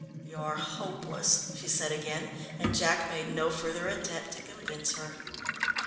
"You're hopeless," she said again, and Jack made no further attempt to convince her.